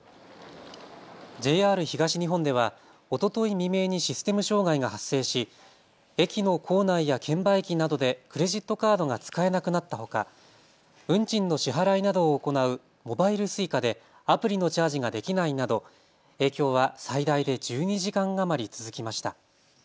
ＪＲ東日本ではおととい未明にシステム障害が発生し駅の構内や券売機などでクレジットカードが使えなくなったほか、運賃の支払いなどを行うモバイルＳｕｉｃａでアプリのチャージができないなど影響は最大で１２時間余り続きました。